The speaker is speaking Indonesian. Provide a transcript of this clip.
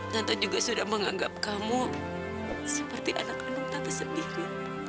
tante juga sudah menganggap kamu seperti anak kandung tante sendiri